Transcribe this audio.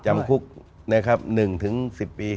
จำคุก๑๑๐ปี